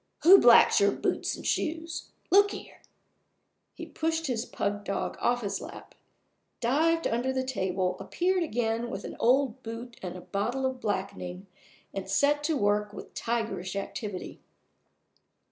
Who blacks your boots and shoes? Look here!" He pushed his pug dog off his lap, dived under the table, appeared again with an old boot and a bottle of blackening, and set to work with tigerish activity.